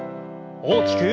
大きく。